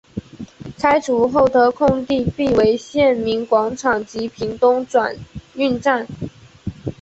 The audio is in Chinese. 拆除后的空地辟为县民广场及屏东转运站。